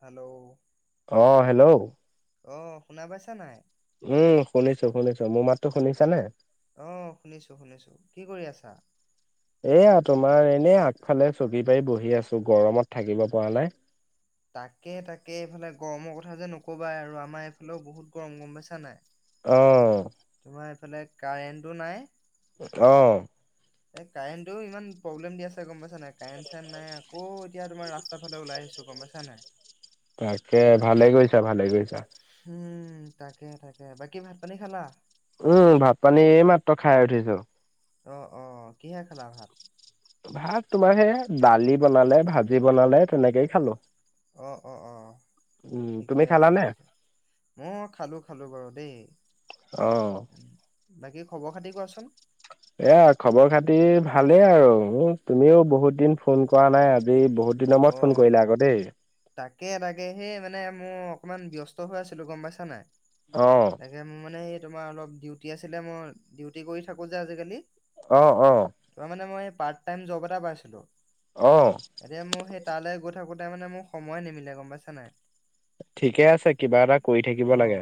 Hello অ hello অ শুনা পাইছা নাই? উম শুনিছো শুনিছো মোৰ মাততো শুনিছাানে আহ শুনিছো শুনিছো কি কৰি আছা? এয়া তোমাৰ এনে আগফালে চকী পাৰি বহি আছো গৰমত থাকিব পৰা নাই তাকে তাকে এইফালে গৰমৰ কথা যে নকবা আৰু আমাৰ এইফালেও বহুত গৰম গম বেচা নাই অ তোমাৰ এইফালে কাৰেণ্টটো নাই। আহ এই কাৰেণ্টটো ইমান প্ৰব্লেম দি আছে গম পাইছা নাই কাৰেণ্ট চাৰেণ্ট নাই আকৌ, এতিয়া তোমাৰ ৰা্তা ফালে ওলাই আহিছো গম পাইছা নাই? তাকে ভালে কৰিৈছা ভালে কৰিৈছা। উম তাকে তাকে বাকী ভাত পানী খালা? উম ভাত পানী মাত্ৰ খাই উঠিছো। অ অ কিহে খালা ভাত? ভাত তোমাৰ সে দালি বনালে ভাজি বনালে তেনেকেই খালো। অ', অ', অ'। উম তুমি ঠিকে আছে খালানে মই খালোঁ, খালোঁ বাৰু দেই। অ উম, বাকী খবৰ খাতি কোৱাচোন? এয়া খবৰ খাতি ভালেই আৰু, তুমিও বহুত দিন ফোন কৰা নাই আজি বহুত দিনৰ মুৰত ফোন অ', কৰিলা আকৌ দেই। তাকে, তাকে সেই মানে মোৰ অকমান ব্যস্ত হৈ আছিলোঁ গম পাইছা নাই? অ তাকে, মোৰ মানে এই তোমাৰ অলপ ডিউটি আছিলে মই ডিউটি কৰি থাকোঁ যে, আজিকালি। অ', অ'। তোমাৰ মানে মই পাৰ্ট টাইম জব এটা পাইছিলোঁ, অ অ এতিয়া মই সেই তালে গৈ থাকোঁতে মানে মোক সময় নিমিলে গম পাইছা নাই? ঠিকে আছে কিবা এটা কৰি থাকিব অ লাগে।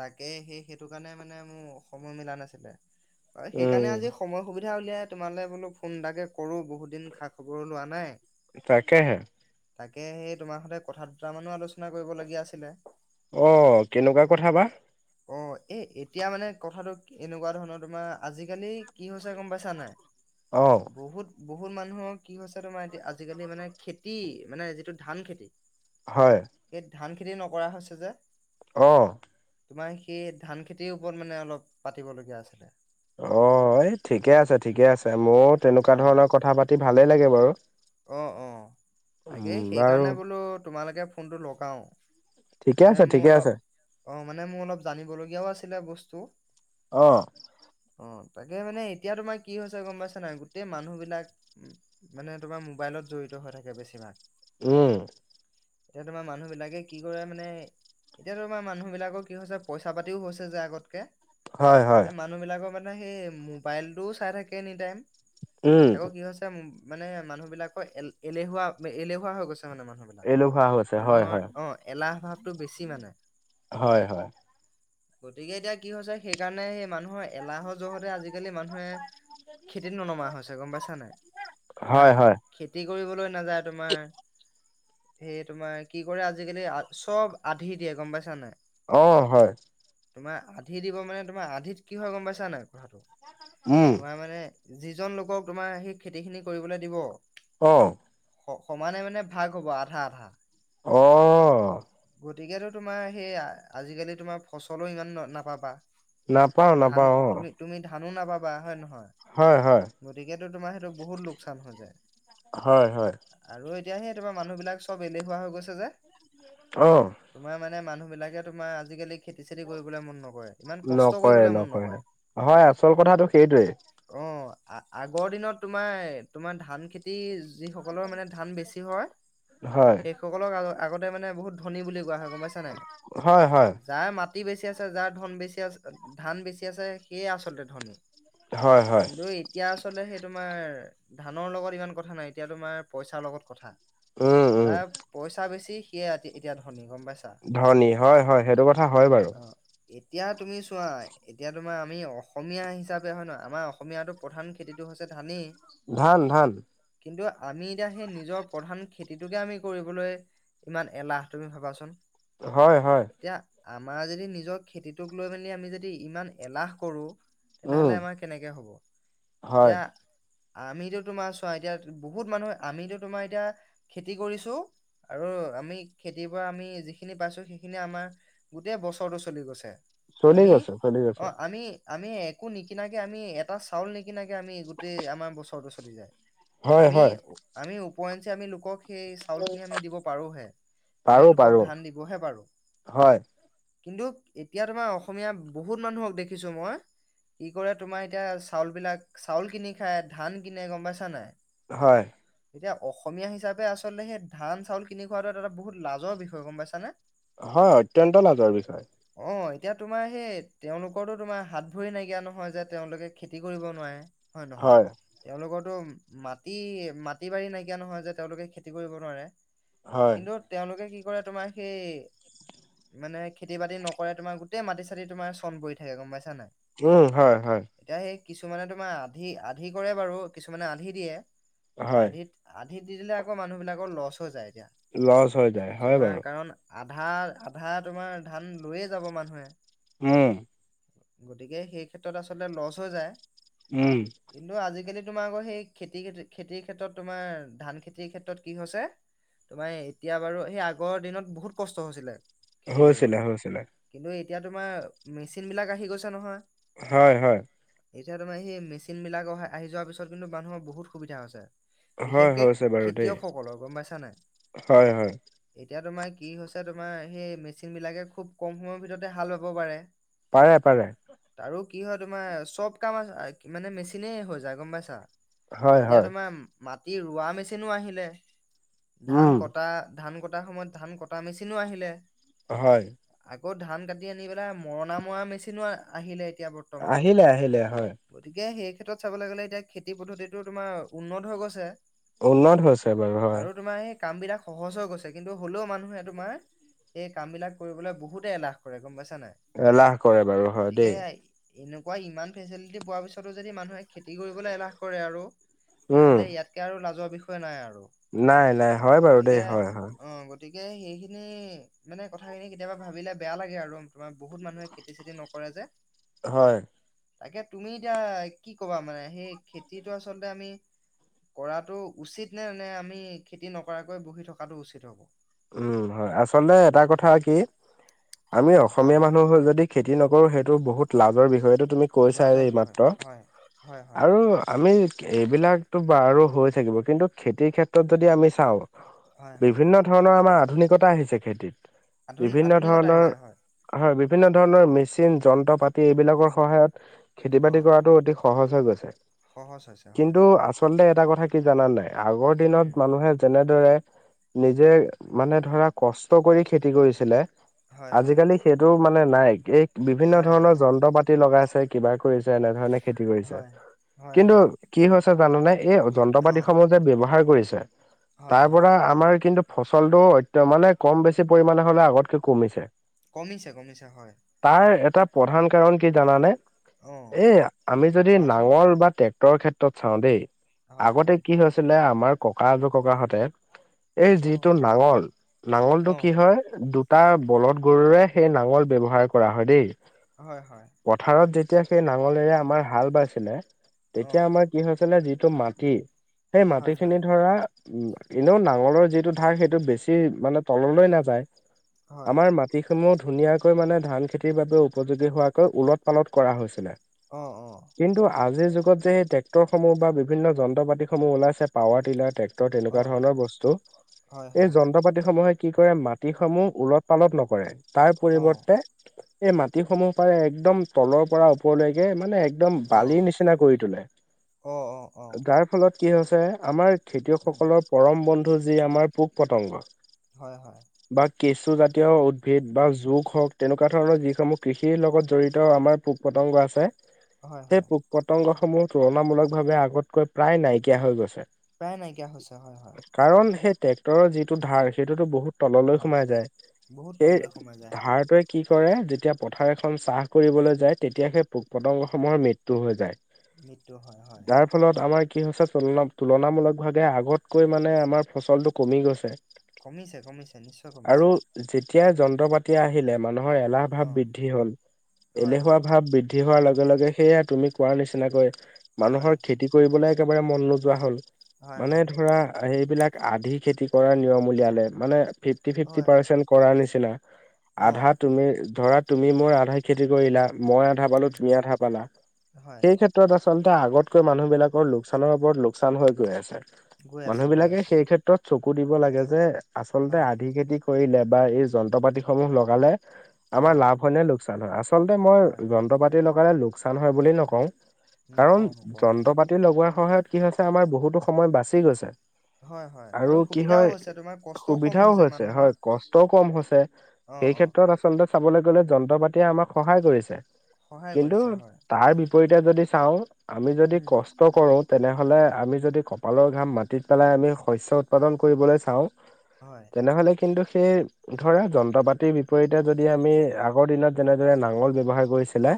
তাকে সেই, সেইটো কাৰণে মানে মোৰ সময় মিলা নাছিলে, অ', উম। সেইকাৰণে আজি সময় সুবি ধা, উলিয়াই তোমালে বোলোঁ ফোন এটাকে কৰোঁ বহুত দিন খা খবৰো লোৱা নাই। তাকেহে। তাকে, সেই তোমাৰ স'তে কথা দুটা মানো আলোচনা কৰিবলগীয়া আছিলে। অ', কেনেকুৱা কথা বা? অ', এ-এতিয়া মানে কথাটো এনেকুৱা ধৰণৰ তোমাৰ আজিকালি কি হৈছে গম পাইছা নাই? অ'। বহুত বহুত মানুহৰ কি হৈছে তোমাৰ, এতিয়া আজিকালি মানে খেতি মানে যিটো ধান খেতি। হয়। সেই ধান খেতি নকৰা হৈছে যে। অ'। তোমাৰ সেই ধান খেতিৰ ওপৰত মানে অলপ পাতিবলগীয়া আছিলে। অ ঠিকে আছে ঠিকে আছে মইো অ তেনেকুৱা ধৰণৰ কথা পাতি ভালেই লাগে বাৰু। অ অ উম তাকেই বাৰু সেইকাৰণে বোলো তোমালোকে ফোনটো লগাও। ঠিকে মানে আছে মোৰ ঠিকে আছে অলপ অ মানে মোৰ অলপ জানিবলগীয়াও আছিলে বস্তু। অঁ। অ' তাকে মানে এতিয়া তোমাৰ কি হৈছে গম পাইছা নাই গোটেই মানুহ বিলাক। মানে, তোমাৰ মোবাইলত জঢ়িত হয় থাকে বেছিভাগ। উম। এতিয়া তোমাৰ মানুহবিলাকে কি কৰে মানে এতিয়া তোমাৰ মানুহ বিলিলাকৰ কি হৈছে পইচা-পাতিও হৈছে যে আগতকে। হয় হয়। এই মানুহবিলাকৰ মানে সেই মোবাইলটোও চাই থাকে এনি টাইম। উম আকৌ কি হৈছে মানে মানুহবিলাকৰ এ এলেহুৱা এলেহুৱা হৈ গৈছে। মানে মানুহ বিলাক এলেহুৱা হৈছে হয় মানুহৰ হয় অ' এলাহ ভাৱটো বেছি মানে। হয় হয়। গতিকে এতিয়া কি হৈছে সেইকাৰণে মানুহৰ এলাহৰ জহতে আজিকালি মানুহে খেতিত ননমা হৈছে গম পাইছা নাই। তোমাৰ হয় হয় খেতিত কৰিবলৈ নাযায় তোমাৰ। সেই তোমাৰ কি কৰে আজিকালি চব আধি দিয়ে গম পাইছা নাই। অ' হয়। তোমাৰ আধি দিব মানে, তোমাৰ আধিত কি হয় গম পাইছা নাই? উম তোমাৰ মানে যিজন লোকক তোমাৰ সেই খেতি খিনি কৰিবলৈ দিব। অ'। সমানে মানে ভাগ হ'ব আধা আধা। অ'। গতিকেতো তোমাৰ সেইয়া আজিকালি তোমাৰ ফচলো ইমান ন নাপাবা। নাপাওঁ ধানো নাপাওঁ, অ'। তুমি তুমি ধানো নাপাবা হয় নহয়? হয় হয় গতিকেটো তোমাৰ সেইটো বহুত লো হৈ যায়, হয় হয় আৰু এতিয়া সেই তোমাৰ মানুহ বিলাক চব এলেহুৱা হৈ গৈছে যে। অ'। তোমাৰ মানে মানুহবিলাকে তোমাৰ আজিকালি খেতি চেতি কৰিবলে মন নকৰে ইমান কষ্ট কৰিবলৈ মন নকৰে। থাটো সেইটোৱে। অ আ, আগৰ দিনত তোমাৰ তোমাৰ ধান খেতি যিসকলৰ মানে ধান বেছি হয় হয় সেইসকলৰ আত আগতে মানে বহুত ধনী বুলি কোৱা হয়, গম পাইছানে হয় হয় নাই যাৰ মাত টি, বেছি আছে, যাৰ ধন বেছি আছে ধান বেছি আছে সেয়ে আচলতে ধনী। হয় হয় কিন্তু এতিয়া আচলতে সেই তোমাৰ ধানৰ লগত ইমান কথা নাই এতিয়া তোমাৰ পইচাৰ লগত কথা, উম উম যাৰ পইচা বেছি। সিয়ে এত-এতিয়া ধনী। গম পাইছা ধনী হয়, হয় সেইটো কথা হয় বাৰু। অ এতিয়া তুমি চোৱা, এতিয়া তোমাৰ আমি অসমীয়া হিচাপে হয় নহয় আমাৰ অসমীয়াটো প্ৰধান খেতিটো হৈছে ধানেই। ধান, ধান। কিন্তু আমি এতিয়া সেই নিজৰ প্ৰধান খেতিটোকে আমি কৰিবলৈ ইমান এলাহ তুমি ভাবাচোন। হয়, হয়। এতিয়া আমাৰ যদি নিজৰ খেতিটোক লৈ মেলি আমি যদি ইমান এলাহ কৰোঁ। উম তেনেহ'লে আমাৰ কেনেকে হ'ব হয় এতিয়া আমিটো তোমাৰ চোৱা এতিয়া বহুত মানুহ আমিটো তোমাৰ এতিয়া খেতি কৰিছোঁ। আৰু আমি খেতি পৰা আমি যিখিনি পাইছোঁ সেইখিনি আমাৰ গোটেই বছৰটো চলি গৈছে। চলি আমি গৈছে চলি অ গৈছে। আমি আমি একো নিকিনাকে আমি এটা চাউল নিকিনাকে আমি গোটেই আমাৰ বছৰটো চলি যায়। হয় আমি হয় আমি উপওৰিঞ্চি আমি পাৰো পাৰো লোকক। হয় [unintelligible] কিন্তু এতিয়া তোমাৰ অসমীয়া বহুত মানুহক দেখিছো মই। কি কৰে তোমাৰ এতিয়া চাউল বিলাক চাউল কিনি খায় ধান কনে গম পাইছা নাই। হয়। এতিয়া অসমীয়া হিচাপে আচলতে সেই ধান চাউল কিনি খোৱাটো এটা এটা বহুত লাজৰ বিষয় গম পাইছা নে? হয় অত্যন্ত লাজৰ বিষয়। অ এতিয়া তোমাৰ সেই তেওঁলোকৰটো তোমাৰ হাত ভৰি নাইকিয়া নহয় যে তেওঁলোকে খেতি কৰিব নোৱাৰে। হয় নহয়? তেওঁলোকৰতো মাটি মাটি বাৰী নাইকিয়া নহয় যে তেওঁলোকে খেতি কৰিব নোৱাৰে? হয় কিন্তু তেওঁলোকে কি কৰে তোমাৰ সেই। মানে খেতি বাতি নকৰে তোমাৰ গোটেই মাটি চাতি তোমাৰ চন পৰি থাকে গম পাইছ। উম হয় হয়। কিছুমানে তোমাৰ আধি আধি কৰে বাৰু কিছুমানে আধি দিয়ে হয় আধিত আ। সি দি দিলে আকৌ মানুহবিলাকৰ লছ হৈ যায়। এতিয়া লচ হৈ যায় হয় তোমাৰ বাৰু। কাৰণ আধা আধা তোমাৰ ধান লৈয়ে যাব মানুহে। উম। গতিকে সেই ক্ষেত্ৰত আচলতে লচ হৈ যায়। উম। কিন্তু আজিকালি তোমাৰ আকৌ সেই খেতি খেতিৰ ক্ষেত্ৰত তোমাৰ ধান খেতিৰ ক্ষেত্ৰত কি হৈছে। তোমাৰ এতিয়া বাৰু সেই আগৰ দিনত বহুত কষ্ট হৈছিলে। খেতি হৈছিলে কৰিবলে হৈছিলে। কিন্তু এতিয়া তোমাৰ মেচিন বিলাক আহি গৈছে নহয়। হয়, হয়। এতিয়া তোমাৰ সেই মেচিন বিলাক অহ আহি যোৱাৰ পিছত কিন্তু মানুহৰ বহুত সুবিধা হৈছে। হয় বিশেষকে হৈছে বাৰু দেই খেতিয়কসকলৰ গম পাইছা নাই হয় হয় এতিয়া তোমাক কি হৈছে তোমাৰ সেই মেচিন বিলাকে খুব কম সময়ৰ ভিতৰতে হাল বাব পাৰে। পাৰে, পাৰে। আৰু কি হয় তোমাৰ চব কাম আছে মানে মেচিনেই হৈ যায় গম পাইছা। হয় এতিয়া হয় তোমাৰ মাটি ৰোৱা মেচিনো আহিলে। ধান উম কটা ধান কটাৰ সময়ত ধান কটা মেচিনো আহিলে। হয়। আকৌ ধান কাটি আনি পেলাই মৰণা মৰা মেচিনো আহিলে। বৰ্তমান আহিলে, আহিলে হয়। গতিকে এতিয়া সেই ক্ষেত্ৰত চাবলৈ গ'লে এতিয়া খেতি পদ্ধতিটো তোমাৰ উন্নত হৈ গৈছে। উন্নত হৈছে বাৰু হয়। আৰু তোমাৰ এই কাম বিলাক সহজ হৈ গৈছে কিন্তু হ'লেও মানুহে তোমাৰ এই কাম বিলাক কৰিবলৈ বহুতে এলাহ কৰে গম পাইছা। নাই এলাহ কৰে বাৰু হয় গতিকে দেই। এনেকুৱা ইমান ফেচিলিটি পোৱাৰ পিছতো যদি মানুহে খেতি কৰিবলৈ এলাহ কৰে আৰু উম তেনেহ'লে ইয়াতকে আৰু লাজৰ বিষয় নাই আৰু। নাই, নাই হয় বাৰু দেই গতিকে হয় হয়। অ গতিকে সেইখিনি মানে কথাখিনি কেতিয়াবা ভাবিলে বেয়া লাগে আৰু তোমাৰ বহুত মানুহে খেতি চেতি নকৰে কৰে যে। হয়। তাকে তুমি এতিয়া কি কবা মানে সেই খেতিটো আচলতে আমি কৰাটো উচিত নে নে আমি খেতি নকৰাকৈ বহি থকাটো উচিত হব? উম হয় আচলতে এটা কথা কি আমি অসমীয়া অ' মানুহ যদি খেতি নকৰোঁ সেইটো বহুত লাজৰ বিষয়টো তুমি কৈছা লাজৰ বিষয় এইমাত্ৰ হয়, হয়, হয়, আৰু আমি এইবিলাকতো বাৰো হৈ থাকিব কিন্তু খেতিৰ ক্ষেত্ৰত যদি আমি চাওঁ হয় হয়। অ' আমাৰ আধুনিকতা আহিছে খেতিত। আধুনিক বিভিন্ন আধুনিকতা ধৰণৰ, আহিছে হয়, হয়। বিভিন্ন [inaudible] -ভিন্ন ধৰণৰ মেচিন, যন্ত্ৰ-পাতি এইবিলাকৰ সহায়ত খেতি-বাতি অ' কৰাটো অতি সহজ হৈ গৈছে। সহজ হৈছে হয়, কিন্তু আচলতে এটা কথা কি জানা নে নাই আগৰ উম, দিনত মানুহে যেনেদৰে নিজে মানে ধৰা কষ্ট কৰি খেতি কৰিছিলে। হয়, হয়। আজিকালি সেইটো মানে নাই। এই বিভিন্ন নাই, ধৰণৰ নাই, যন্ত্ৰ পাতি লগাইছ এই কিবা কৰিছে এনেধৰণে খেতি কৰিছে। হয়, হয়, কিন্তু হয়, কি হৈছে জাননে এই যন্ত্ৰ-পাতি অ' সমূহ যে ব্যৱহাৰ কৰিছ হয়, তাৰ হয়। পৰা আমাৰ কিন্তু ফচলটো অত্য মানে কম-বেছি পৰিমাণে হ'লেও আগতকে কমিছে। কমিছে। কমিছে। হয়। তাৰ প্ৰধান কাৰণ কি জানানে? অ' এ, আমি যদি কোৱাচোন? নাঙল বা টেক -টৰ ক্ষেত্ৰত চাও দেই, হয়, আগতে হয়, কি হৈছিলে আমাৰ ককা আজোককাহঁতে এই অ' যিটো নাঙল, নাঙলটো কি অ' হয়? দু তাৰ বলধ গৰুৰে সেই নাঙল ব্যৱহাৰ কৰা হয় দেই। হয়, হয়। পথাৰত যেতিয়া সেই নাঙলেৰে আমাৰ হাল বাইছিলে, অ' তেতিয়া আমাৰ কি হৈছিলে যিটো মাটি সেই মাটি হয়, খিনি হয়, ধৰা উম, এনেও নাঙলৰ যিটো ঢাৰ সেইটো বেছি মানে তললৈ নাযায়। হয়, আমাৰ মাটিস সমূহ ধুনীয়াকৈ মানে ধান খেতিৰ বাবে উপযোগী হোৱাকৈ ওলট-পালট কৰা হৈছিলে। অ' অ' কিন্তু আজিৰ যু -গত যে টেক্টৰসমূহ বা বিভিন্ন যন্ত্ৰ-পাতিসমূহ ওলাইছে পাৱাৰ টিলাৰ, টেক টৰ তেনেকুৱা অ' ধৰণৰ বস্তু। হয়, এই হয়, যন্ত্ৰ- পাতিসমূহ এ কি কৰে মাটিসমূহ ওলট-পালট নকৰে, তাৰ অ' পৰিৱৰ্তে এই মাটিসমূহ পাৰে একদম তলৰ পৰা ওপৰলৈকে মানে এগ একদম অ' বালিৰ নিচিনা কৰি তোলে। অ' অ' অ' যাৰ ফলত কি হৈছে আমাৰ উম, খেতিয়কসকলৰ পৰম বন্ধু যি আমাৰ পোক-পতংগ। হয়, হয়। কেঁচুজাতীয় উদ্ভিদ বা জোক হওক তেনেকুৱা ধৰণৰ যিসমূহ কৃষিৰ লগত জড়িত আমাৰ পোক পতং অংগ আছে। হয় সেই হয় পোক-পতংগসমূহ তুলনামূলকভাৱে আগতকৈ প্ৰায় নাইকিয়া হৈ গৈছে। প্ৰায় নাইকিয়া হৈছে। হয়। হয়। -টৰৰ যিটো ঢাৰ সেইটোতো বহু তললৈ হয় সোমাই যায়, বহুত সেই তললৈ সোমাই যায় হয় ঢাৰটোৱে কি কৰে। যেতিয়া পথাৰ এখন চাহ কৰিবলৈ যায় তেতিয়া সেই পোক-পতঙ্গসমূহৰ মৃত্যু হৈ যায়। মৃত্যু হয়। হয়। যাৰ ফলত আমাৰ কি হৈছে তুলনা তুলনামূলকভাৱে আগতকৈ মানে আমাৰ ফচলটো কমি গৈছে। কমিছে, কমিছে। নিশ্চয় কমিছে। এতিয়া যন্ত্ৰপাতি আহিলে মানুহৰ এলাহ ভাৱ অ বৃদ্ধি হ'ল। হয় এলেহুৱা হয় ভাৱ বৃদ -দ্ধি হোৱাৰ লগে লগে সেয়া তুমি কোৱাৰ নিচিনাকৈ হয় মানুহৰ খেতি কৰিবলৈ একেবাৰে মন নোযোৱা হ'ল। হয় মানে হয় ধৰা এইবিলাক আধি খেতি কৰাৰ নিয়ম উলিয়ালে মানে ফিফটি-ফিফটি হয় হয় পাৰচেন্ট কৰাৰ নিচিনা, অ আধা তুমি ধৰা তুমি মোৰ আধাই খেতি কৰিলা, মই আধা পালো। উম তুমি আধা পালা। হয় সেই ক্ষেত্ৰত আছ আচলতে আগতকৈ মানুহ বিলাকৰ লোকচানৰ ওপৰত লোকচান হৈ গৈ আছে। গৈ মানুহ আছে। গৈ বিলাকে আছে। সেই ক্ষেত্ৰত চকু দিব লাগে যে আচলতে হয় আধি খেতি কৰিলে বা এই যন্ত্ৰপাতিসমূহ লগালে অ আমাৰ লাভ হয়নে লোকচান হয়, আচলতে মই হয় যন্ত্ৰ- পাতি লগালে লোকচান হয় বুলি নকওঁ। কাৰণ নকওঁ নকওঁ হয় যন্ত্ৰ- পাতি লগোৱাৰ সহায়ত কি হৈছে আমাৰ বহুতো সময় বাচি গৈছে। হয় হয় আৰু কি সুবিধাও হৈছে হয়, তোমাৰ কষ্টও কম সুবিধাও হৈছে। মানুহৰ হয়, কষ্টও কম হৈছ অ সেই অ ক্ষেত্ৰত আচলতে চাবলৈ গলে যন্ত্ৰ-পাতিয়ে আমাক সহায় কৰিছে। সহায় কিন্তু কৰিছে হয় তাৰ বিপৰীতে যদি চাওঁ আমি যদি উম কষ্ট কৰো তেনেহ'লে আমি যদি কপালৰ ঘাম মাটিত পেলাই আমি শস্য উৎপাদন কৰিবলৈ চাওঁ হয় তেনেহ'লে কিন্তু সেই ধৰা যন্ত্ৰ পাতিৰ বিপৰীতে যদি আমি আগৰ দিনত যেনেদৰে নাঙল ব্যৱহাৰ কৰিছিলে।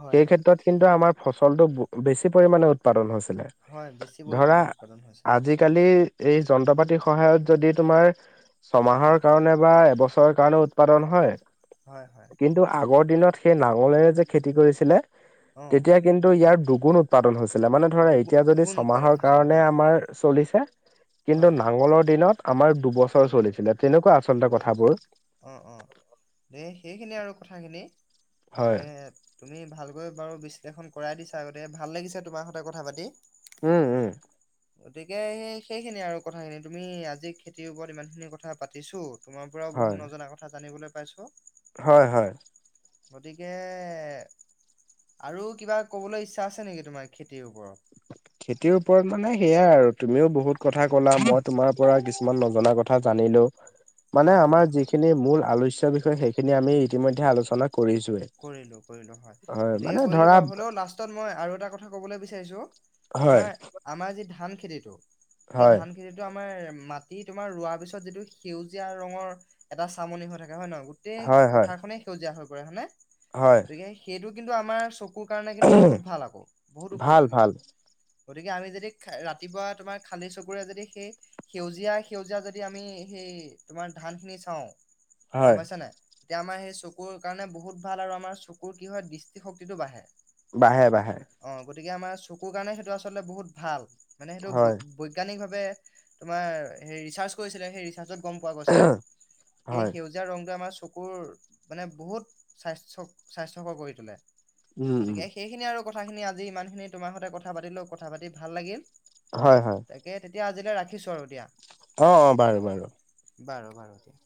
হয় সেই হয় ক্ষেত্ৰত কিন্তু আমাৰ ফচলটো বেছি পৰিমানে উৎপাদন হৈছে। হয় বেছি পৰিমাণে উৎপাদন হৈছিলে। আজিকালি এই যন্ত্ৰ পাতিৰ সহায়ত যদি তোমাৰ উম ছমাহৰ কাৰণে বা এবছৰ ৰ কাৰণে উৎপাদন হয় হয় হয় কিন্তু আগৰ দিনত সেই নাঙলেৰে যে খেতি কৰিছিলে। অ তেতিয়া কিন্তু ইয়াৰ দুগুণ উৎপাদন হৈছে। ছিলে মানে ধৰে দুগু এতিয়া যদি দুগুণ উৎপাদন ছমাহৰ হৈছিলে কাৰণে হয় আমাৰ চলিছে কিন্তু হয় নাঙলৰ দিনত আমাৰ দুবছৰ চলিছিলে। তেনেকুৱা আচলতে দুবছৰ কথাবোৰ চলিছিল অ', অ', দেই সেইখিনি আৰু কথাখিনি। হয় তাকে তুমি ভালকৈ বাৰু বিশ্লেষণ কৰাই দিছা আগতে ভাল লাগিছে তোমাৰ সতে কথা পাতি। উম, উম। গতিকে সেই সেইখিনিয়ে আৰু কথাখিনি তুমি আজি খেতিৰ ওপৰত ইমান খিনি কথা পাতিছো। তোমাৰ পৰাও বহুত হয় নজনা কথা জানিবলৈ পাইছো। হয়, হয়। গতিকে আৰু কিবা ক'বলৈ ইচ্ছা আছে নেকি তোমাৰ খেতিৰ ওপৰত? [inaudible] খেতিৰ ওপৰত মানে সেয়াই আৰু তুমিও বহুত কথা ক'লা মই তোমাৰ পৰা কিছুমান নজনা কথা জানিলো। মানে হয় আমাৰ হয় হয় যিখিনি মূল আলোচ্য বিষয় সেইখিনি আমি ইতিমধ্যে আলোচনা কৰিছোৱে। কৰিলো, কৰিলো হয় গতিকে মানে কৰিলো ধৰা বাৰু হ'লেও লাষ্টত মই আৰু এটা কথা ক'বলৈ বিচাৰিছো হয় তোমাৰ আমাৰ যি ধান খেতিটো সেই হয় ধান খেতিটো আমাৰ মাটি তোমাৰ ৰোৱাৰ পিছত যিটো সেউজীয়া ৰঙৰ এটা চামনি হৈ থাকে হয় ন' গোটেই হয় হয় পথাৰ খনে সেউজীয়া হৈ পৰে হয়নে হয় গতিকে সেইটো কিন্তু আমাৰ চ কুৰ কাৰণে কিন্তু বহুত ভাল আকৌ, বহুত ভাল উপযোগী। ভাল গতিকে আমি যদি ৰাতিপুৱা তোমাৰ খালী চকুৰে যদি সেই সেউজীয়া সেউজীয়া যদি আমি সেই তোমাৰ ধান খিনি চাওঁ হয় গম পাইছানে নাই এতিয়া আমাৰ সেই চকুৰ কাৰণে বহুত ভাল আৰু আমাৰ চকুৰ কি হয় দৃষ্টিশক্তিটো বাঢ়ে। বাঢ়ে, বাঢ়ে। অ গতিকে আমাৰ চকুৰ কাৰণে সেইটো আচলতে বহুত ভাল মানে সেইটো হয় বৈজ্ঞানিক ভাৱে তোমাৰ ৰিচাৰ্ছ কৰিছিলে সেই ৰিচাৰ্ছত গম পোৱা গৈছে সেই হয় সেউজীয়া ৰংটোৱে আমাৰ চকুৰ মানে বহুত স্বাস্থ্য-স্বাস্থ্যকৰ কৰি তোলে উম উম গতিকে সেইখিনি আৰু কথা খিনি আজি ইমান খিনি তোমাৰ সৈতে কথা পাতিলো কথা পাতি ভাল লাগিল, হয় হয় তাকে তেতিয়া আজিলৈ ৰাখিছো আৰু দিয়া। অ', অ', বাৰু, বাৰু। বাৰু, বাৰু দিয়া।